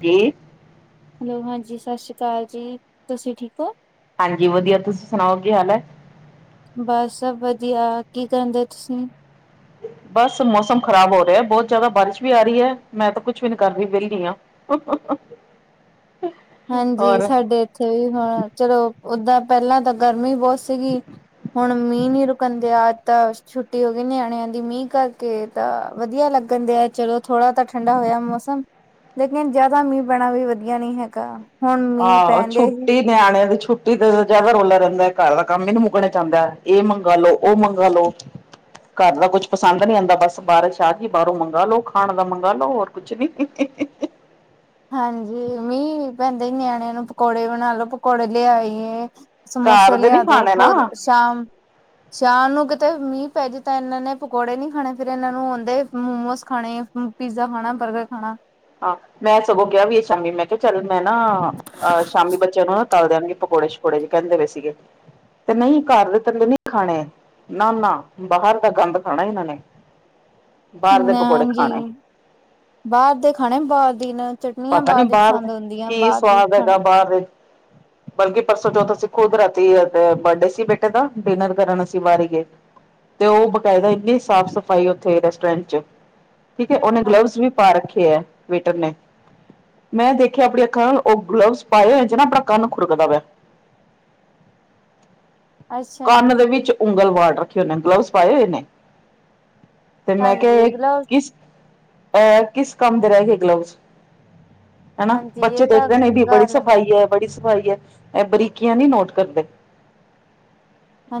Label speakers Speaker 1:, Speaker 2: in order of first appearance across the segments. Speaker 1: ਕੀ?
Speaker 2: Hello, ਹਾਂਜੀ ਸਸ਼ ਰੀ ਕਾਲ ਜੀ, ਤੁਸੀਂ ਠੀਕ ਓ।
Speaker 1: ਹਾਂਜੀ ਵਧੀਆ, ਤੁਸੀਂ ਸੁਣਾਓ ਕੀ ਹਾਲ ਐ।
Speaker 2: ਬਸ ਸਭ ਵਧੀਆ, ਕੀ ਕਰਨ ਦਏ ਤੁਸੀਂ।
Speaker 1: ਬਸ ਮੌਸਮ ਖ਼ਰਾਬ ਹੋ ਰਿਹਾ ਬੋਤ ਜਿਆਦਾ, ਬਾਰਿਸ਼ ਵੀ ਆ ਰੀ ਐ, ਮੈਂ ਤਾਂ ਕੁਛ ਵੀ ਨੀ ਕਰ ਰਹੀ, ਵਿਹਲੀ ਆਂ। [unintelligible]
Speaker 2: [unintelligible] ਹਾਂਜੀ, ਸਾਡੇ ਇੱਥੇ ਵੀ ਹਾਂ, ਚਲੋ ਓਦਾਂ ਪਹਿਲਾਂ ਤਾਂ ਗਰਮੀ ਬੋਤ ਸੀਗੀ, ਹੁਣ ਮੀਂਹ ਨੀ ਰੁਕਣ ਦਿਆ, ਤਾਂ ਛੁੱਟੀ ਛੁੱਟੀ ਹੋ ਗਏ ਨਿਆਣਿਆਂ ਦੀ ਮੀਂਹ ਕਰਕੇ, ਤਾਂ ਵਧੀਆ ਲੱਗਣ ਦਿਆ, ਚਲੋ ਥੋੜ੍ਹਾ ਤਾਂ ਠੰਡਾ ਹੋਇਆ ਮੌਸਮ। ਲੇਕਿਨ ਜਿਆਦਾ ਮੀਂਹ ਪੈਣਾ ਵੀ ਵਧੀਆ ਨਹੀਂ ਹੈਗਾ, ਹੁਣ ਮੀਂਹ
Speaker 1: ਆਹੋ
Speaker 2: ਪੈਣਦੇ ਹੀ
Speaker 1: ਛੁੱਟੀ ਨਿਆਣਿਆਂ ਦੀ ਛੁੱਟੀ ਤੇ ਜ਼ਿਆਦਾ ਰੋਲਾ ਰਹਿੰਦਾ, ਘਰ ਦਾ ਕੰਮ ਹੀ ਨਹੀਂ ਮੁਕਨੇਂ ਚ ਆਂਦਾ, ਇਹ ਮੰਗਾ ਲੋ ਉਹ ਮੰਗਾ ਲੋ ਘਰ ਦਾ ਕੁਛ ਪਸੰਦ ਨੀ ਆਉਂਦਾ ਬਸ ਬਾਰਿਸ਼ ਆ ਗਈ ਬਾਹਰੋੰ ਮੰਗਾ ਲੋ ਖਾਣ ਦਾ ਮੰਗਾ ਲੋ ਹੋਰ। ਕੁਛ ਨੀ।
Speaker 2: ਹਾਂਜੀ ਮੀਂਹ ਪੈਂਦੇ ਨਿਆਣਿਆਂ ਨੂੰ ਪਕੌੜੇ ਬਣਾ ਲੋੋ ਪਕੌੜੇ ਲਿਆਈਏ।
Speaker 1: ਘਰ
Speaker 2: ਸਮੋਸੇ
Speaker 1: ਦੇ ਨੀ
Speaker 2: ਲਿਆ ਦੋ,
Speaker 1: ਖਾਣੇ ਨਾ
Speaker 2: ਹੋਰ ਸ਼ਾਮ ਸ਼ਾਮ ਨੂੰ ਕਿਤੇ ਮੀਂਹ ਪੈ ਜੇ ਤਾਂ ਇਹਨਾਂ ਨੇ ਪਕੌੜੇ ਨੀ ਖਾਣੇ ਫਿਰ ਇਹਨਾਂ ਨੂੰ ਹੁੰਦੇ ਮੋਮੋਸ ਖਾਣੇ। ਹਾਂ ਪੀਜ਼ਾ ਖਾਣਾ, ਬਰਗਰ ਖਾਣਾ।
Speaker 1: ਹਾਂ ਮੈਂ ਸਗੋਂ ਕਿਹਾ ਵੀ ਸ਼ਾਮੀ ਮੈਂ ਕਿਹਾ ਚੱਲ ਮੈਂ ਨਾ ਆ ਸ਼ਾਮੀ ਬੱਚਿਆਂ ਨੂੰ ਨਾ ਤਲ ਦਵਾਂਗੀ ਪਕੌੜੇ- ਸ਼ਕੌੜੇ ਕਹਿੰਦੇ ਵੀ ਸੀਗੇ। ਤੇ ਨਹੀਂ ਘਰ ਦੇ ਤਲੇ ਨਹੀਂ ਖਾਣੇ, ਨਾ -ਨਾ ਬਹਾਰ ਦਾ ਗੰਦ ਖਾਣਾ ਇਹਨਾਂ ਨੇ। ਬਾਹਰ ਦੇ ਪਕੌੜੇ
Speaker 2: ਮੈਮ ਜੀ
Speaker 1: ਖਾਣੇ
Speaker 2: ਬਾਹਰ ਦੇ ਖਾਣੇ ਬਾਹਰ ਡਿਨਰ। ਚਟਨੀਆਂ
Speaker 1: ਪਤਾ ਨੀ
Speaker 2: ਬਾਹਰ ਦੀ ਪਸੰਦ
Speaker 1: ਦੇ
Speaker 2: ਹੁੰਦੀਆਂ,
Speaker 1: ਕੀ
Speaker 2: ਬਾਹਰ ਦੀ ਖਾਣਾ।
Speaker 1: ਦੇ [inaudible] [inaudible]
Speaker 2: [unintelligible]
Speaker 1: ਬਲਕੀ ਪਰਸੋਂ ਚੌਥ ਅਸੀਂ ਖੁਦ ਰਾਤੀ ਅ ਤੇ ਬਰਡੇ ਸੀ ਬੇਟੇ ਦਾ ਡਿਨਰ ਕਰਨ ਅਸੀਂ ਬਾਹਰ ਈ ਗਏ। ਤੇ ਉਹ ਬਕਾਇਦਾ ਇੰਨੀ ਸਾਫ਼- ਸਫਾਈ ਉਥੇ ਰੈਸਟੋਰੈਂਟ ਚ। ਠੀਕ ਏ ਉਹਨੇ
Speaker 2: ਹਾਂ
Speaker 1: ਗਲਵਜ਼ ਵੀ ਪਾ ਰੱਖੇ ੲ ਵੇਟਰ ਨੇ। ਮੈਂ ਦੇਖਿਆ ਆਪਣੀ ਅੱਖਾਂ ਨਾਲ ਉਹ ਗਲਵਸ ਪਾਏ ਹੋਏ ਚ ਨਾ ਆਪਨਾ ਕੰਨ ਖੁੁਰਕਦਾ ਪਿਆ।
Speaker 2: ਅੱਛਾ
Speaker 1: ਕੰਨ ਦੇ ਵਿੱਚ ਉਂਗਲ ਵਾੜ ਰੱਖੀ ਉਹਨੇ ਗਲਵਜ਼ ਪਾਏ ਹੋਏ ਨੇ। ਤੇ ਮੈਂ ਕਿਹਾ
Speaker 2: ਹਾਂਜੀ
Speaker 1: ਏ
Speaker 2: ਗਲਵਸ
Speaker 1: ਕਿਸ ਅ ਕਿਸ ਕੰਮ ਦੇ ਰਹਿ ਗਏ ਗਲਵਜ਼। ਹਨਾ,
Speaker 2: ਹਾਂਜੀ ਇਹ
Speaker 1: ਬੱਚੇ
Speaker 2: ਤਾਂ
Speaker 1: ਦੇਖਦੇ ਨੇ ਵੀ ਬੜੀ
Speaker 2: ਗੱਲ
Speaker 1: ਸਫ਼ਾਈ ਏ
Speaker 2: ਗਲਤ
Speaker 1: ਬੜੀ ਸਫ਼ਾਈ ਏ ਇਹ ਬਰੀਕੀਆਂ ਨੀ ਨੋਟ ਕਰਦੇ।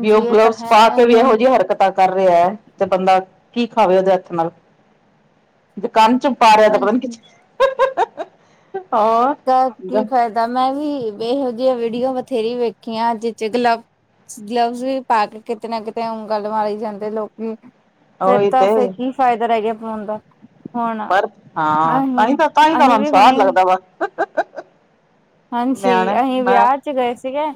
Speaker 1: ਵੀ ਉਹ
Speaker 2: ਇਹ ਤਾਂ
Speaker 1: ਗਲਵਸ ਪਾ
Speaker 2: ਹੈ
Speaker 1: ਕੇ ਵੀ ਏਹੋ
Speaker 2: ਹੁਣ
Speaker 1: ਜੀ ਹਰਕਤਾਂ ਕਰ ਰਿਹਾ ਏ, ਤੇ ਬੰਦਾ ਕੀ ਖਾਵੇ ਉਹਦੇ ਹੱਥ ਨਾਲ। ਜੇ ਕੰਨ ਚ ਪਾ ਰਿਹਾ ਤੇ ਪਤਾ ਨੀ
Speaker 2: ਹਾਂਜੀ
Speaker 1: ਕਿਥੇ
Speaker 2: ਤਾਂ ਕੀ ਫ਼ਾਇਦਾ, ਮੈਂ ਵੀ ਇਹੋ ਜਿਹੀਆਂ ਵੀਡੀਓ ਬਥੇਰੀ ਵੇਖੀਆਂ ਹਥ ਚੇ ਗਲਵਜ ਗਲਵਜ਼ ਵੀ ਪਾ ਕੇ ਕਿਤੇ ਨਾ ਕਿਤੇ ਉਂਗਲ ਮਾਰੀ ਜਾਂਦੇ ਲੋਕੀ। ਫੇਰ
Speaker 1: ਉਹੀ
Speaker 2: ਤਾਂ
Speaker 1: ਤੇ
Speaker 2: ਫਿਰ ਕੀ ਫਾਇਦਾ ਰਹਿ ਗਿਆ ਪਾਉਣ ਦਾ। ਹੁਣ
Speaker 1: ਪਰ ਹਾਂ,
Speaker 2: ਅਹੀਂ
Speaker 1: ਤਾਂਹੀ ਤਾਂ ਹੀ ਤਾਂ
Speaker 2: ਅਸੀਂ
Speaker 1: ਤੁਹਾਨੂੰ
Speaker 2: ਵੀ ਹੁਣੇ
Speaker 1: ਸੁਵਾਦ ਲੱਗਦਾ ਵਾ।
Speaker 2: ਹਾਂਜੀ,
Speaker 1: ਨਿਆਣੇ
Speaker 2: ਅਹੀ
Speaker 1: ਮੈਂ
Speaker 2: ਵਿਆਹ ਚ ਗਏ ਸੀਗੇ।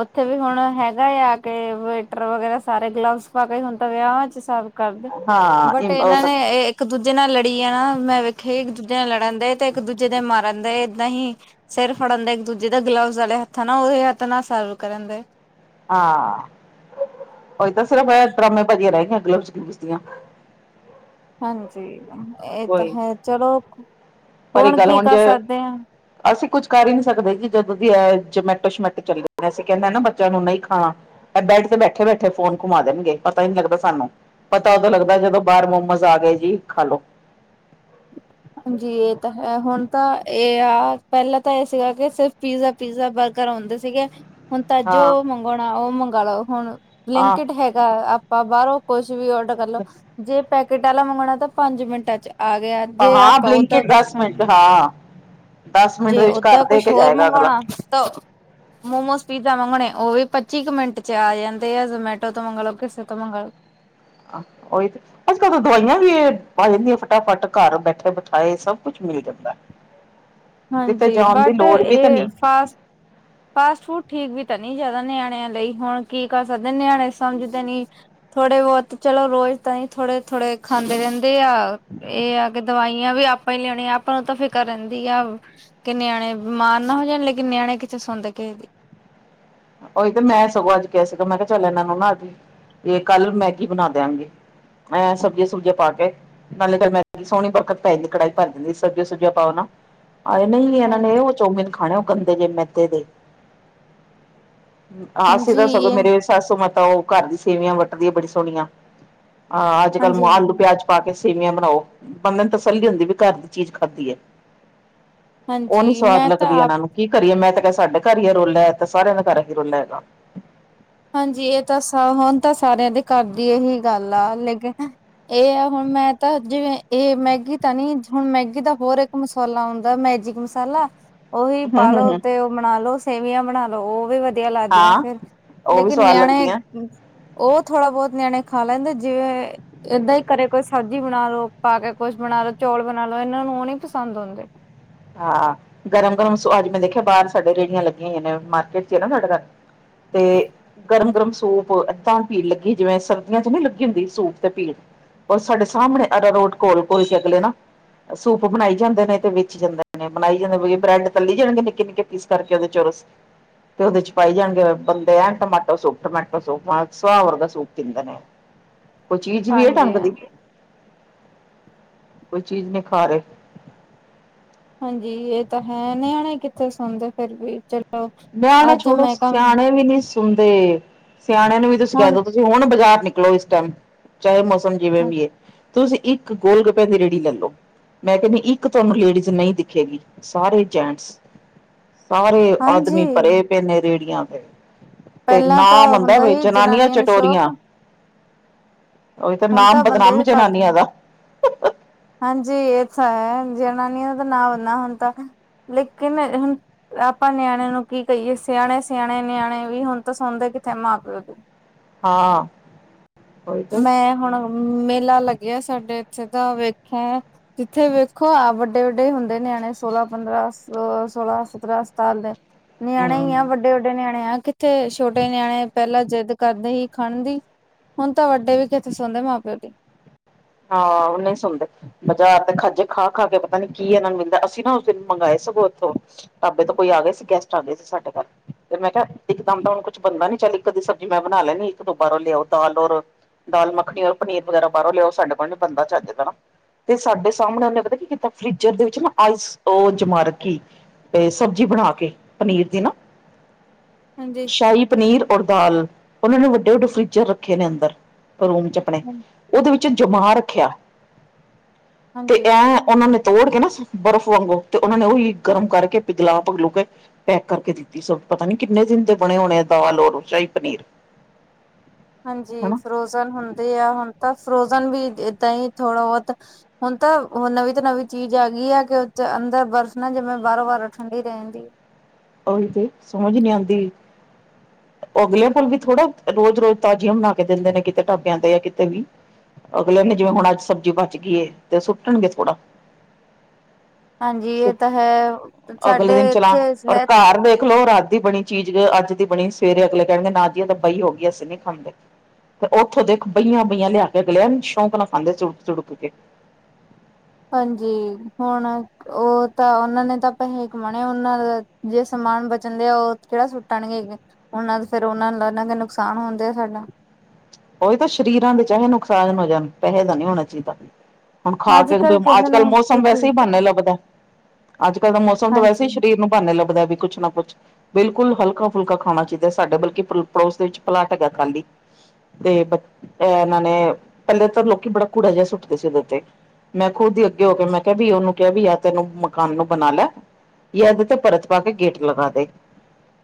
Speaker 2: ਉੱਥੇ ਵੀ ਹੁਣ ਹੈਗਾ ਆ ਕੇ ਵੇਟਰ ਵਗੈਰਾ ਸਾਰੇ ਗਲਵਸ ਪਾ ਕੇ ਹੁਣ ਤਾਂ ਵਿਆਵਾ ਚ ਸਭ ਕਰਦੇ,
Speaker 1: ਹਾਂ
Speaker 2: ਬਟ
Speaker 1: ਇਮ- ਉਹ
Speaker 2: ਇਹਨਾਂ
Speaker 1: ਤਾਂ
Speaker 2: ਨੇ, ਇੱਕ ਦੂਜੇ ਨਾਲ ਲੜੀ ਆ ਨਾ ਮੈਂ ਵੇਖਿਆ ਇੱਕ ਦੂਜੇ ਨਾਲ ਲੜਨ ਦੇ ਤੇ ਇੱਕ ਦੂਜੇ ਦੇ ਮਾਰ ਰਹਿੰਦੇ ਏਦਾਂ ਹੀ ਸਿਰ ਫੜਨ ਦਾ ਇੱਕ ਦੂਜੇ ਦਾ ਗਲਵਜ਼ ਵਾਲੇ ਹੱਥਾਂ ਨਾਲ ਉਹਹੀ ਹੱਥ ਨਾਲ ਸਰਵ ਕਰਨ ਦੇ।
Speaker 1: ਹਾਂ, ਉਹੀ ਤਾਂ ਸਿਰਫ ਡਰਾਮੇ ਵਾਜੀਆਂ ਰਹਿ ਗਈਆਂ ਗਲਬਸ ਗਲੀਬਸ ਦੀਆਂ।
Speaker 2: ਹਾਂਜੀ, ਇਹ ਤਾਂ
Speaker 1: ਕੋਈ
Speaker 2: ਹੈ ਚਲੋ,
Speaker 1: ਪਰ ਇਹ ਗੱਲ
Speaker 2: ਕੀ
Speaker 1: ਹੁਣ
Speaker 2: ਕਰ
Speaker 1: ਜੇ,
Speaker 2: ਸਕਦੇ ਆ
Speaker 1: ਅਸੀਂ ਕੁਝ ਕਰ ਹੀ ਨਹੀਂ ਸਕਦੇ ਜੀ ਜਦੋਂ ਦੀ ਇਹ ਜਮੈਟੋ ਸ਼ਮੈਟੋ ਚੱਲ ਜਾਂਦੇ ਅਸੀਂ ਕਹਿੰਦੇ ਨਾ ਬੱਚਿਆਂ ਨੂੰ ਨਹੀਂ ਖਾਣਾ। ਇਹ ਬੈਡ ਤੇ ਬੈਠੇ- ਬੈਠੇ ਫੋਨ ਘੁੰਮਾ ਦੇਣਗੇ, ਪਤਾ ਹੀ ਨੀ ਲੱਗਦਾ ਸਾਨੂੰ। ਪਤਾ ਉਦੋਂ ਲੱਗਦਾ, ਜਦੋਂ ਬਾਹਰ ਮੋਮੋਸ ਆ ਗਏ ਜੀ ਖਾ ਲੳ।
Speaker 2: ਹਾਂਜੀ ਇਹ ਤਾਂ ਹੈ, ਹੁਣ ਤਾਂ ਇਹ ਆ ਪਹਿਲਾਂ ਤਾਂ ਇਹ ਸੀਗਾ ਕਿ ਸਿਰਫ ਪੀਜ਼ਾ। ਪੀਜ਼ਾ ਬਰਗਰ ਆਉਂਦੇ ਸੀਗੇ। ਹੁਣ ਤਾਂ ਜੋ
Speaker 1: ਹਾਂ
Speaker 2: ਮੰਗਵਾਉਣਾ, ਉਹ ਮੰਗਾ ਲਓ ਹੁਣ
Speaker 1: ਹਾਂ
Speaker 2: ਬਲਿੰਕਡ ਹੈਗਾ ਆਪਾਂ ਬਾਹਰੋਂ। ਕੁਛ ਵੀ ਆਰਡਰ ਕਰਲੋ, ਜੇ ਪੈਕੇਟ ਵਾਲਾ ਮੰਗਵਾਉਣਾ, ਤਾਂ ਪੰਜ ਮਿੰਟਾਂ ਚ ਆ ਗਿਆ। ਜੇ
Speaker 1: ਹਾਂ
Speaker 2: ਆਪਾਂ ਓਦਾਂ
Speaker 1: ਬਲਿੰਕਿਟ
Speaker 2: ਕੁਛ
Speaker 1: ਦਸ
Speaker 2: ਖਾਣਾ।
Speaker 1: ਮਿੰਟ ਹਾਂ ਦਸ ਮਿੰਟ
Speaker 2: ਜੇ
Speaker 1: ਦੇ ਵਿੱਚ ਘਰ
Speaker 2: ਓਦਾਂ
Speaker 1: ਦੇ
Speaker 2: ਕੁਛ
Speaker 1: ਕੇ
Speaker 2: ਹੋਰ
Speaker 1: ਜਾਏਗਾ ਅਗਲਾ
Speaker 2: ਮੰਗਵਾਉਣਾ ਤਾਂ, ਮੋਮੋਸ ਪੀਜ਼ਾ ਮੰਗਣੇ ਉਹ ਵੀ, ਪੱਚੀ ਕੁ ਮਿੰਟ ਚ ਆ ਜਾਂਦੇ ਆ ਜੋਮੈਟੋ ਤੋਂ ਮੰਗ ਲਓ ਕਿਸੇ ਤੋਂ ਮੰਗ ਲਓ।
Speaker 1: ਆਹ ਉਈ ਤੇ ਅੱਜ ਕੱਲ ਤਾਂ ਦਵਾਈਆਂ ਵੀ ਆ ਜਾਂਦੀਆਂ ਫਟਾਫਟ ਘਰ ਬੈਠੇ ਬਿਠਾਏ ਸਭ ਕੁੱਛ ਮਿਲ ਜਾਂਦਾ। ਕਿਤੇ
Speaker 2: ਹਾਂਜੀ,
Speaker 1: ਜਾਣ ਦੀ
Speaker 2: ਬਟ
Speaker 1: ਲੋੜ ਵੀ ਤਾਂ
Speaker 2: ਇਹ
Speaker 1: ਨਹੀਂ
Speaker 2: ਫਾਸਟ ਫਾਸਟ ਫੂਡ ਠੀਕ ਵੀ ਤਾਂ ਨੀ ਜ਼ਿਆਦਾ ਨਿਆਣਿਆਂ ਲਈ, ਹੁਣ ਕੀ ਕਰ ਸਕਦੇ ਨਿਆਣੇ ਸਮਝਦੇ ਨੀ। ਥੋੜੇ ਬਹੁਤ, ਚਲੋ ਰੋਜ਼ ਤਾਂ ਨੀ ਥੋੜੇ- ਥੋੜੇ ਖਾਂਦੇ ਰਹਿੰਦੇ ਤੇ ਆ, ਇਹ ਆ ਕਿ ਦਵਾਈਆਂ ਵੀ ਆਪ, ਪਹਿਲੇ ਆਣੇ ਆਪਾਂ ਨੂੰ ਤਾਂ ਫਿਕਰ ਰਹਿੰਦੀ ਆ ਕਿ ਨਿਆਣੇ ਬਿਮਾਰ ਨਾ ਹੋ ਜਾਣ ਲੇਕਿਨ ਨਿਆਣੇ ਕਿਥੇ ਥੇ ਸੁਣਦੇ ਕਿਸੇ ਦੀ
Speaker 1: ਉਹੀ ਤੇ ਮੈਂ ਸਗੋਂ ਅੱਜ ਕਿਹਾ ਸੀਗਾ ਮੈਂ ਕਿਹਾ ਚੱਲ ਇਹਨਾਂ ਨੂੰ ਨਾ ਅੱਜ ਜੇ ਕੱਲ ਮੈਗੀ ਬਣਾ ਦਿਆਂਗੇ। ਮੈਂ ਸਬਜ਼ੀਆਂ-ਸੁਬਜ਼ੀਆਂ ਪਾ ਕੇ। ਨਾਲੇ ਚੱਲ ਮੈਂ ਸੋਹਣੀ ਬਰਕਤ ਪੈ ਜਾਂਦੀ ਕੜਾਈ ਭਰ ਦਿੰਦੀ ਸੀ, ਸਬਜ਼ੀਆਂ ਸੁਬਜੀਆਂ ਪਾਓ ਨਾ। ਆ ਨੀ-ਨੀ ਇਹਨਾਂ
Speaker 2: ਹਾਂਜੀ
Speaker 1: ਨੇ ਉਹ ਚੋਮੀਨ ਖਾਣੇ ਉਹ ਗੰਦੇ ਜਿਹੇ ਮੈਦੇ ਦੇ, ਹਾਂਸੀ
Speaker 2: ਹਾਂਜੀ
Speaker 1: ਤਾਂ ਸਗੋਂ
Speaker 2: ਇਹ
Speaker 1: ਮੇਰੇ, ਸਾਸੂ ਮਾਤਾ ਉਹ ਘਰ ਦੀ ਸੇਵੀਆਂ ਵੱਟਦੀ ਏ, ਬੜੀ ਸੋਹਣੀਆਂ ਅਹ ਅੱਜ-ਕੱਲ
Speaker 2: ਹਾਂਜੀ
Speaker 1: ਆਲੂ
Speaker 2: ਹਾਂਜੀ
Speaker 1: ਪਿਆਜ। ਪਾ ਕੇ ਸੇਵੀਆਂ ਬਣਾਓ। ਬੰਦੇ ਨੂੰ ਤਸੱਲੀ ਹੁੰਦੀ ਵੀ ਘਰ ਦੀ ਚੀਜ਼ ਖਾਧੀ ਐ। ਉਹ ਨੀ
Speaker 2: ਹਾਂਜੀ
Speaker 1: ਸਵਾਦ
Speaker 2: ਮੈਂ ਤਾਂ
Speaker 1: ਲੱਗਦੀ ਏ
Speaker 2: ਆਪ
Speaker 1: ਇਹਨਾਂ ਨੂੰ, ਕੀ ਕਰੀਏ, ਮੈਂ ਤਾਂ ਕ ਕਿਹਾ ਸਾਡੇ ਘਰ ਹੀ ਰੋਲਾ ਐ ਤਾਂ ਸਾਰਿਆਂ ਦੇ ਘਰ ਹੀ ਰੋਲਾ ਹੈਗਾ।
Speaker 2: ਹਾਂਜੀ, ਇਹ ਤਾਂ ਸ ਹੁਣ ਤਾਂ ਸਾਰਿਆਂ ਦੇ ਘਰ ਦੀ ਇਹੀ ਗੱਲ ਆ ਲੇਕਿਨ ਇਹ ਆ ਹੁਣ ਮੈਂ ਤਾਂ ਜਿਵੇਂ ਇਹ ਮੈਗੀ, ਤਾਂ ਨੀ ਹੁਣ ਮੈਗੀ ਦਾ ਹੋਰ ਇੱਕ ਮਸਾਲਾ ਹੁੰਂਦਾ ਮੈਜਿਕ ਮਸਾਲਾ, ਉਹੀ
Speaker 1: ਹੂੰ ਹੂੰ
Speaker 2: ਪਾਲੋ
Speaker 1: ਹੂੰ
Speaker 2: ਤੇ ਉਹ ਬਣਾ ਲੋ, ਸੇਵੀਆਂ ਬਣਾ ਲੋ, ਉਹ ਵੀ ਵਧੀਆ ਲੱਗਦੀਆਂ
Speaker 1: ਹਾਂ
Speaker 2: ਫਿਰ
Speaker 1: ਉਹ ਵੀ
Speaker 2: ਲੇਕਿਨ
Speaker 1: ਸਵਾਦ
Speaker 2: ਨਿਆਣੇ,
Speaker 1: ਲੱਗਦੀਆਂ
Speaker 2: ਉਹ ਥੋੜਾ ਬਹੁਤ ਨਿਆਣੇ ਖਾ ਲੈਂਦੇ ਜਿਵੇਂ ਏਦਾਂ ਹੀ ਘਰੇ ਕੋਈ ਸਬਜ਼ੀ ਬਣਾ ਲੋ, ਪਾ ਕੇ ਕੁਛ ਬਣਾ ਲੋ, ਚੌਲ ਬਣਾ ਲੋ, ਇਹਨਾਂ ਨੂੰ ਉਹ ਨਹੀਂ ਪਸੰਦ ਆਉਦੇ।
Speaker 1: ਹਾਂ, ਗਰਮ-ਗਰਮ ਅੱਜ ਮੈਂ ਦੇਖਿਆ ਬਾਹਰ ਸਾਡੇ ਰੇਹੜੀਆਂ ਲੱਗੀਆਂ ਹੋਈ ਨੇ ਮਾਰਕੀਟ ਚ ਆ ਨਾ ਸਾਡਾ ਘਰ ਤੇ ਗਰਮ-ਗਰਮ ਸੂਪ ਇੱਦਾਂ ਭੀੜ ਲੱਗੀ, ਜਿਵੇਂ ਸਰਦੀਆਂ ਚ ਨੀ ਲੱਗੀ ਹੁੰਦੀ ਸੂਪ ਤੇ ਭੀੜ ਔਰ ਸਾਡੇ ਸਾਹਮਣੇ ਅਰਾ ਰੋੜ ਘੋਲ-ਘੋਲ ਕੇ ਅਗਲੇ ਨਾ ਸੂਪ ਬਣਾਈ ਜਾਂਦੇ ਨੇ ਤੇ ਵੇਚ ਜਾਂਦੇ ਨੇ। ਬਣਾਈ ਜਾਂਦੇ, ‌ਬ੍ਰੈਡ ਤੱਲੀ ਜਾਣਗੇ ਨਿੱਕੇ-ਨਿੱਕੇ ਪੀਸ ਕਰਕੇ ਉਹਦੇ ਚੋ, ਤੇ ਉਹਦੇ ਚ ਪਾਈ ਜਾਣਗੇ, ਬੰਦੇ ਐਂ ਟਮਾਟੋ ਸੂਪ ਟਮਾਟੋ ਸੂਪ ਸਹਾਵਰ ਦਾ ਸੂਪ ਪੀਂਦੇ ਨੇ,
Speaker 2: [inaudible]
Speaker 1: ਕੋਈ ਚੀਜ਼ ਵੀ
Speaker 2: ਹਾਂਜੀ
Speaker 1: ਢੰਗ ਦੀ,
Speaker 2: ਹਾਂਜੀ
Speaker 1: ਕੋਈ ਚੀਜ਼ ਨਹੀ ਖਾ ਰਹੇਂ।
Speaker 2: ਹਾਂਜੀ, ਇਹ ਤਾਂ ਹੈ ਨਿਆਣੇ ਕਿੱਥੇ ਸੁਣਦੇ ਫਿਰ ਵੀ ਚ
Speaker 1: ਨਿਆਣੇ ਛੜੋ ਸਿਆਣੇ ਵੀ ਨਹੀਂ। ਸੁਣਦੇ ਸਿਆਣਿਆਂ ਨੂੰ ਵੀ ਤੁਸੀਂ ਕਹਿ ਦੋ, ਤੁਸੀਂ ਹੁਣ ਬਜ਼ਾਰ ਨਿਕਲੋ ਇਸ ਟਾਈਮ ਚਾਹੇ। ਮੌਸਮ ਜਿਵੇ ਵੀ ਏ, ਤੁਸੀਂ ਇੱਕ ਗੋਲ ਗੁਪਿਆਂ ਦੀ ਰੇੜੀ ਲੱਲੋ। ਮੈਂ ਕਹਿੰਦੀ ਇੱਕ ਤੁਹਾਨੂੰ ਲੇਡੀਜ਼ ਨਹੀਂ ਦਿਖੇਗੀ, ਸਾਰੇ ਜੈਂਟਸ ਸਾਰੇ।
Speaker 2: ਹਾਂਜੀ
Speaker 1: ਆਦਮੀ ਭਰੇ ਪਏ ਨੇੇ, ਰੇਹੜੀਆਂ ਤੇ। ਤੇ
Speaker 2: ਪਹਿਲਾਂ
Speaker 1: ਨਾਮ
Speaker 2: ਤਾਂ
Speaker 1: ਆਂਦਾ,
Speaker 2: ਹੁੰਦਾ
Speaker 1: ਬਈ
Speaker 2: ਸੀ
Speaker 1: ਜਨਾਨੀਆਂ
Speaker 2: ਨੂੰ ਸ਼ੌਕ
Speaker 1: ਚਟੋਰੀਆਂ। ਉਹੀ ਤਾਂ
Speaker 2: ਹੁਣ
Speaker 1: ਨਾਮ
Speaker 2: ਬੰਦੇ
Speaker 1: ਬਦਨਾਮ
Speaker 2: ਵੀ ਘੱਟ ਨੇ
Speaker 1: ਜਨਾਨੀਆਂ ਦਾ।
Speaker 2: ਹਾਂਜੀ, ਇਹ ਤਾਂ ਏ। ਜਨਾਨੀਆਂ ਦਾ ਨਾਂ ਬੰਨਾ ਹੁਣ ਤ, ਲੇਕਿਨ ਹੁ ਆਪਾਂ ਨਿਆਣੇ ਨੂੰ ਕੀ ਕਹੀਏ? ਸਿਆਣੇ-ਸਿਆਣੇ ਨਿਆਣੇ ਵੀ, ਹੁਣ ਤਾਂ ਸੁਣਦੇ ਕਿੱਥੇ ਮਾਂ-ਪਿਓ। [inaudible]
Speaker 1: ਹਾਂ, ਓਹੀ ਤੇ।
Speaker 2: ਮੈਂ ਹੁਣ ਮੇਲਾ ਲੱਗਿਆ ਸਾਡੇ ਇੱਥੇ ਦਾ, ਵੇਖੇ! ਜਿੱਥੇ ਵੇਖੋ ਆ ਵੱਡੇ-ਵੱਡੇ ਹੁੰਦੇ ਨਿਆਣੇ ਸੋਲਾਂ ਪੰਦਰਾਂ ਸੋਲਾਂ ਸਤਰਾਂ ਸਤਾਲ ਦੇ ਨਿਆਣੇ ਹੀ
Speaker 1: ਹਮ
Speaker 2: ਆ ਵੱਡੇ, ਵੱਡੇ ਨਿਆਣੇ ਆ ਕਿੱਥੇ ਛੋਟੇ ਨਿਆਣੇ ਪਹਿਲਾਂ ਜਿੱਦ ਕਰਦੇ ਸੀ ਖੰਣ ਦੀ ਹੁਣ ਤਾਂ ਵੱਡੇ ਵੀ ਕਿੱਥੇ ਸੌਣਦੇ ਮਾਂ- ਪਿਓ ਦੀ।
Speaker 1: ਹਾ ਔ ਨਹੀੰ ਸੁਣਦੇ। ਬਜ਼ਾਰ ਤੇ ਖੱਜੇ ਖਾ, ਖਾ ਕੇ ਪਤਾ ਨੀ ਕੀ ਇਹਨਾਂ ਨੂੰ ਮਿਲਦਾ ਅਸੀਂ ਨਾ ਉਸ ਦਿਨ ਮੰਗਵਾਏ ਸਗੋ ਔਥੋਂ ਢਾਬੇ ਤੋਂ ਕੋਈ ਆ ਗਏ ਸੀ ਗੈਸਟ ਆ ਗਏ ਸੀ ਸਾਡੇ ਘਰ। ਤੇ ਮੈਂ ਕਿਹਾ ਇੱਕ ਦਮ ਦਾ ਹੁਣ ਕੁੱਛ ਬਣਦਾ ਨੀ ਚੱਲ ਇੱਕ ਅੱਦੀ ਸਬਜ਼ੀ ਮੈਂ ਬਣਾ ਲੈਣੀ ਇੱਕ, ਦੋ ਬਾਰੋਂ ਲਿਆਓ ਦਾਲ ਔਰ ਦਾਲ ਮੱਖਣੀ ਔਰ ਪਨੀਰ ਵਗੈਰਾ ਬਾਹਰੋਂ ਲਿਆਓ ਸਾਡੇ ਕੋਲ ਬੰਦਾ ਚੱਜਦਾ ਨਾ। ਤੇ ਸਾਡੇ ਸਾਹਮਣੇ ਉਹਨੇ ਪਤਾ ਕੀ ਕੀਤਾ ਫਰਿਜਰ ਦੇ ਵਿੱਚ ਨਾ ਆਈਸ ਉਹ ਜਮਾਰਕੀ। ਸਬਜ਼ੀ ਬਣਾ ਕੇ, ਪਨੀਰ ਦੀ ਨਾ
Speaker 2: ਹਾਂਜੀ।
Speaker 1: ਸ਼ਾਹੀ, ਪਨੀਰ ਔਰ ਦਾਲ ਉਹਨਾਂ ਨੇ ਵੱਡੇ-ਵੱਡੇ ਫਰਿਜਰ ਰੱਖੇ ਨੇ ਅੰਦਰ ਰੂਮ ਚ ਆਪਣੇ ਉਹਦੇ ਵਿੱਚ ਜਮਾ ਰੱਖਿਆ, ਤੇ
Speaker 2: ਹਾਂਜੀ।
Speaker 1: ਐਂ ਉਹਨਾਂ ਨੇ ਤੋੜ ਕੇ ਨਾ ਬਰਫ਼ ਵਾਂਗੂ, ਤੇ ਉਹਨਾਂ ਨੇ ਉਹੀ ਗਰਮ ਕਰਕੇ ਪਿਗਲਾ-ਪਗਲੂ ਕੇ। ਪੈਕ ਕਰਕੇ ਦਿੱਤੀ ਸੀ। ਪਤਾ ਨੀ ਕਿੰਨੇ ਦਿਨ ਦੇ ਬਣੇ ਹੋਣੇ ਦਾਲ ਔਰ ਸ਼ਾਹੀ ਪਨੀਰ।
Speaker 2: [inaudible] ਹਾਂਜੀ,
Speaker 1: ਹਨਾ
Speaker 2: ਫਰੋਜਨ ਹੁੰਦੇ ਆ। ਹੁਣ ਤਾਂ ਫਰੋਜਨ ਵੀ ਏਦਾਂ ਹੀ ਥੋੜ੍ਹਾ-ਬਹੁਤ। ਹੁਣ ਤਾਂ ਨਵੀਂ ਤੋਂ ਨਵੀਂ ਚੀਜ਼ ਆ ਗਈ ਆ ਕਿ ਅੰਦਰ ਬਰਫ਼ ਨਾ ਜਮੇ, ਬਾਹਾਰੋਂ ਵਾਰ ਉੱਹ ਠੰਡੀ ਹੀ ਰਹਿੰਦੀ।
Speaker 1: ਉਹੀ ਤੇ ਸਮਝ ਨੀ ਆਂਦੀ। ਅਗਲਿਆਂ ਕੋਲ ਵੀ ਥੋੜਾ, ਰੋਜ਼-ਰੋਜ਼ ਤਾਜ਼ੀਆਂ ਬਣਾ ਕੇ ਦਿੰਦੇ ਨੇ, ਕਿਤੇ ਢਾਬਿਆਂ ਤੇ ਯਾਂ ਕਿਤੇ ਵੀ। ਅਗਲੇਆਂ ਨੇ, ਜਿਵੇਂ ਹੁਣ ਅੱਜ ਸਬਜ਼ੀ ਬਚ ਗਈ ਏ, ਤੇ ਸੁੱਟਣਗੇ ਥੋੜਾ।
Speaker 2: ਹਾਂਜੀ, ਇਹ ਤਾਂ ਹੈ
Speaker 1: ਅਗਲੇ
Speaker 2: ਸਾਡੇ
Speaker 1: ਦਿਨ ਚਲਾ
Speaker 2: ਇੱਥੇ
Speaker 1: ਔਰ
Speaker 2: ਹੈ।
Speaker 1: ਘਰ ਦੇਖ ਲੋ, ਰਾਤ ਦੀ ਬਣੀ ਚੀਜ਼, ਅੱਜ ਦੀ ਬਣੀ ਸਵੇਰੇ ਅਗਲੇ ਕਹਿਣਗੇ, ਨਾ ਜੀ ਆ ਤਾਂ ਬਹੀ ਹੋ ਗਈ ਅਸੀਂ ਨੀ ਖਾਂਦੇ। ਤੇ ਉੱਥੋਂ ਦੇਖੋ ਬਹੀਆਂ-ਬਈਆਂ ਲਿਆ ਕੇ। ਅਗਲਿਆ ਸ਼ੌਂਕ ਨਾ ਖਾਂਦੇ ਸੁੜਕ-ਸੁੁੜਕ ਕੇ।
Speaker 2: ਹਾਂਜੀ, ਹੁਣ। ਓ ਤਾਂ ਉਨਾਂ ਨੇ ਤਾਂ ਪੈਸੇ ਕਮਾਉਣੇ ਉਨਾਂ ਦਾ ਜੇ ਸਮਾਨ ਬਚਣ ਦੇ ਆ ਓ ਕੇੜਾ ਸੁੱਟਣਗੇ ਅਗੇ ਔਹਨਾਂ ਫੇਰ ਔਹਨਾਗੇ ਨੁਕਸਾਨ ਹੁੰਦੇ ਆ ਸਾਡਾ।
Speaker 1: ਔਹੀ ਤਾਂ ਸ਼ਰੀਰਾਂ ਦੇ ਚਾਹੇ ਨੁਕਸਾਨ ਹੋ ਜਾਨ, ਪੈਹੇ ਦਾ ਨੀ ਹੋਣਾ ਚੀਦਾ। ਹੁਣ ਖਾ
Speaker 2: ਅੱਜ
Speaker 1: ਕੇ ਬ
Speaker 2: ਕੱਲ
Speaker 1: ਅੱਜ
Speaker 2: ਕਿਸੇ
Speaker 1: -ਕਲ
Speaker 2: ਨੂੰ
Speaker 1: ਮੌਸਮ
Speaker 2: ਕੀਤੀ
Speaker 1: ਵੈਸੇ ਹੀ ਬਾਹਨੇ ਲੱਭਦਾ। ਅੱਜ -ਕੱਲ੍ਹ ਦਾ ਮੌਸਮ ਤਾਂ ਵੈਸੇ
Speaker 2: ਹਾਂਜੀ
Speaker 1: ਸਰੀਰ ਨੂੰ ਬਾਹਨੇ ਲੱਭਦਾ ਵੀ ਕੁੱਛ ਨਾ ਕੁਛ ਬਿਲਕੁਲ ਹਲਕਾ -ਫੁਲਕਾ ਖਾਣਾ ਚਾਹੀਦਾ ਸਾਡੇ ਬਲਕਿ ਪੜੋਸ ਦੇ ਵਿੱਚ ਪਲਾਟ ਹੈਗਾ ਖਾਲੀ ਤੇ ਬ ਅ ਇਹਨਾਂ ਨੇ ਪਹਿਲੇ ਤਾਂ ਲੋਕੀ ਬੜਾ ਕੂੜਾ ਜਿਹਾ ਸੁੱਟਦੇ ਸੀ ਔਹਦੇ ਤੇ ਮੈਂ ਖੁਦ ਹੀ ਅੱਗੇ ਹੋ ਕੇ ਮੈਂ ਕਿਹਾ ਵੀ ਔਹਨੂੰ ਕਿਹਾ ਵੀ ਯਾ ਤੈ ਏਨੂੰ ਮਕਾਨ ਨੂੰ ਬਣਾ ਲੈ ਯਾ ਏਦੇ ਤੇ ਭਰਤ ਪਾ ਕੇ ਗੇਟ ਲਗਾ ਦੇ।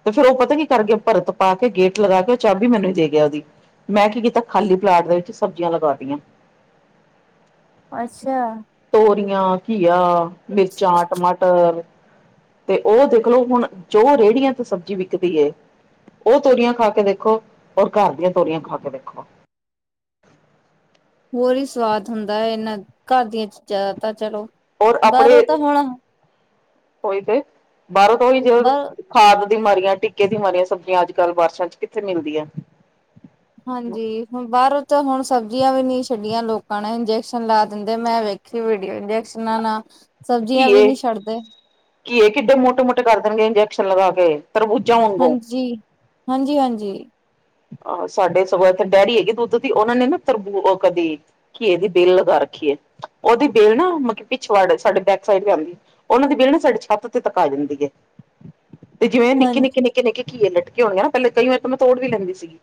Speaker 1: ਤੇ ਫੇਰ ਉਹ ਪਤਾ ਕੀ ਕਰਕੇ ਭਰਤ ਪਾ ਕੇ ਗੇਟ ਲਗਾ ਕੇ, ਉਹ ਚਾਬੀ ਮੈਨੂੰ ਹੀ ਦੇ ਗਿਆ ਉਹਦੀ। ਮੈਂ ਕੀ ਕੀਤਾ ਖਾਲੀ ਪਲਾਟ ਦੇ ਵਿੱਚ ਸਬਜ਼ੀਆਂ ਲਗਾਤੀਆਂ।
Speaker 2: ਅੱਛਾ।
Speaker 1: ਤੋਰੀਆਂ, ਘੀਆ, ਮਿਰਚਾਂ, ਟਮਾਟਰ ਤੇ ਉਹ ਦੇਖਲੋ ਹੁਣ ਜੋ ਰੇਹੜੀਆਂ ਤੇ ਸਬਜ਼ੀ ਵਿਕਦੀ ਏ ਉਹ ਤੋਰੀਆਂ ਖਾ ਕੇ ਦੇਖੋ, ਔਰ ਘਰ ਦੀਆਂ ਤੋਰੀਆਂ ਖਾ ਕੇ ਦੇਖੋ।
Speaker 2: ਹੋਰ ਹੀ ਸਵਾਦ ਹੁੰਦਾ ਹੈ, ਇਹਨਾਂ ਘਰ ਦੀਆਂ ਚੀਜ਼ਾਂ ਦਾ ਤਾਂ ਚਲੋ।
Speaker 1: ਔਰ ਆਪਣੇ
Speaker 2: ਬਾਹਰੋਂ ਤਾਂ ਹੁਣ
Speaker 1: ਉਹੀ ਤੇ ਬਾਹਰੋਂ ਤੋਂ ਹੋਈ ਜਿ
Speaker 2: ਬਾਹਰ
Speaker 1: ਖਾਦ ਦੀ ਮਾਰੀਆਂ ਟਿੱਕੇ ਦੀ ਮਾਰੀਆਂ ਸਬਜ਼ੀਆਂ ਅੱਜ ਕੱਲ੍ਹ ਬਾਰਸ਼ਾਂ ਚ ਕਿੱਥੇ ਮਿਲਦੀਆਂ
Speaker 2: ਹਾਂਜੀ, ਹੁਣ ਬਾਹਰੋਂ ਤਾਂ ਹੁਣ ਸਬਜ਼ੀਆਂ ਵੀ ਨਹੀਂ ਛੱਡੀਆਂ ਲੋਕਾਂ ਨੇ ਇੰਜੈਕਸ਼ਨ ਲਾ ਦਿੰਦੇ ਮੈਂ ਵੇਖ [unintelligible] ਇੰਜੈਕਸ਼ਨਾਂ ਨਾ ਸਬਜ਼ੀਆਂ ਵੀ
Speaker 1: ਘੀਏ
Speaker 2: ਨਹੀਂ ਛੱਡਦੇ
Speaker 1: ਘੀਏ ਕਿੱਡੇ ਮੋਟੇ-ਮੋਟੇ ਕਰ ਦੇਣਗੇ ਇੰਜੈਕਸ਼ਨ ਲਗਾ ਕੇ ਤਰਬੂਜਾ
Speaker 2: ਹਾਂਜੀ-ਹਾਂਜੀ-ਹਾਂਜੀ
Speaker 1: ਆਹ ਸਾਡੇ ਸਗੋਂ ਇਥੇ ਡੈਡੀ ਹੈਗੀ ਦੁੱਧ ਦੀ ਉਹਨਾਂ ਨੇ ਨਾ ਫੇਰ ਓ ਕਦੇ ਘੀਏ ਦੀ ਬੇਲ ਲਗਾ ਰੱਖੀਏ ਉਹਦੀ ਬੇਲ ਨਾ ਮਤਲਬ ਪਿਛਵਾੜ ਸਾਡੇ ਬੈਕ ਸਾਈਡ ਵੀ ਆਂਦੀ ਉਹਨਾਂ ਦੀ ਬੇਲ ਨਾ ਸਾਡੀ ਛੱਤ ਤੇ ਤੱਕ ਆ ਜਾਂਦੀ ਐ ਤੇ ਜਿਵੇਂ
Speaker 2: ਹਾਂਜੀ
Speaker 1: ਨਿੱੱਕੇ-ਨਿੱੱਕੇ-ਨਿੱੱਕੇ-ਨਿੱੱਕੇ ਘੀਏ ਲਟਕੇ ਹੋਣਗੇ ਨਾ ਪਹਿਲੇ ਕਈ ਵਾਰ ਤਾਂ ਮੈਂ ਤੋੜ ਵੀ ਲੈਂਦੀ ਸੀਗੀ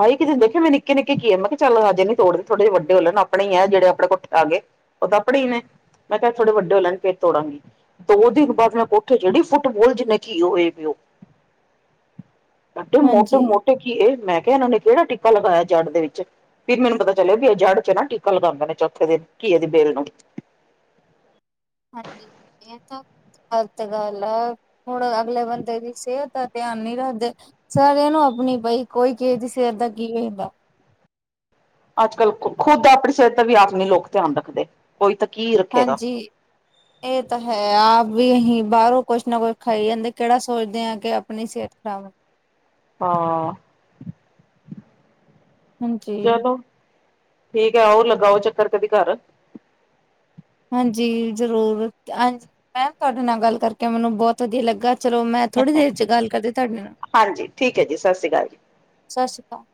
Speaker 1: ਹਾਈ ਇੱਕ ਦਿਨ ਮੈਂ ਦੇਖ ਨਿੱਕੇ-ਨਿੱਕੇ ਘੀਏ ਮੈਂ ਕਿਹਾ ਚੱਲ ਹਜੇ ਨੀ ਤੋੜਦੇ ਅਜੇ ਵੱਡੇ ਹੋ ਲੈਣ ਆਪਣੇ ਈ ਐ ਜਿਹੜੇ ਆਪਣੇ ਕੋਲ ਆ ਗੇ ਉਹ ਤਾਂ ਆਪੜੇ ਨੇ ਮੈਂ ਕਿਹਾ ਥੋੜੇ ਵੱਡੇ ਹੋ ਲੈਣ ਫੇਰ ਤੋੜਾਂਗੀ ਦੋ ਦਿਨ ਬਾਅਦ ਮੈਂ ਕੋਠੇ ਚੜੀ ਫੁੱਟਬੋਲ ਜਿੰਨੇ ਘੀਏ ਹੋਏ ਪਏ ਉਹ
Speaker 2: [inaudible]
Speaker 1: ਏਡੇ ਮੋਟੇ
Speaker 2: ਹਾਂਜੀ
Speaker 1: ਮੋਟੇ ਘੀਏ ਮੈਂ ਕਿਹਾ ਇਹਨਾਂ ਨੇ ਕਿਹੜਾ ਟੀਕਾ ਲਗਾਇਆ ਜੜ ਦੇ ਵਿੱਚ ਫਿਰ ਮੈਨੂੰ ਪਤਾ ਚੱਲਿਆ ਵੀ ਆ ਜੜ ਚ ਨਾ ਟੀਕਾ ਲਗਾਂਦੇ ਨੇ ਚੌਥੇ ਦਿਨ ਘੀਏ ਦੇ ਬੇਲ ਨੂੰ
Speaker 2: ਹਾਂਜੀ, ਏ ਤਾਂ ਗਲਤ ਗੱਲ ਆ, ਹੁਣ ਅਗਲੇ ਬੰਦੇ ਦੀ ਸੇਤ ਤਾਂ ਧਿਆਨ ਨੀ ਰੱਖਦੇ, ਸਾਰ ਇਹ ਨੂੰ ਆਪਣੀ ਪਈ ਕੋਈ ਕਿਸ ਦੀ ਸਿਹਤ ਦਾ ਕੀ ਹੁੰਦਾ।
Speaker 1: ਅੱਜ ਕੱਲ੍ਹ ਖੁਦ ਆਪਣੀ ਸਿਹਤ ਦਾ ਵੀ ਆਪ ਨਹੀਂ ਲੋਕ ਧਿਆਨ ਰੱਖਦੇ। ਕੋਈ ਤਾਂ ਕੀ ਰੱਖੇਗਾ।
Speaker 2: ਹਾਂਜੀ। ਇਹ ਤਾਂ ਹੈ ਆਪ ਵੀ ਅਸੀਂ ਬਾਹਰੋਂ ਕੁਛ ਨਾ ਕੁਛ ਖਾਈ ਜਾਂਦੇ ਕਿਹੜਾ ਸੋਚਦੇ ਹਾਂ ਕਿ ਆਪਣੀ ਸਿਹਤ ਖ਼ਰਾਬ
Speaker 1: ਹਾਂ
Speaker 2: ਹਾਂਜੀ।
Speaker 1: ਚਲੋ ਠੀਕ ਐ ਆਓ ਲਗਾਓ ਚੱਕਰ ਕਦੀ ਘਰ
Speaker 2: ਹਾਂਜੀ, ਜ਼ਰੂਰ ਹਾਂਜੀ ਮੈਮ ਤੁਹਾਡੇ ਨਾਲ ਗੱਲ ਕਰਕੇ ਮੈਨੂੰ ਬਹੁਤ ਵਧੀਆ ਲੱਗਾ ਚਲੋ ਮੈਂ ਥੋੜ੍ਹੀ ਦੇਰ ਚ ਗੱਲ ਕਰਦੀ ਤੁਹਾਡੇ ਨਾਲ
Speaker 1: ਹਾਂਜੀ ਠੀਕ ਹੈ ਜੀ ਸਤਿ ਸ਼੍ਰੀ ਅਕਾਲ।
Speaker 2: ਸਤਿ ਸ਼੍ਰੀ ਅਕਾਲ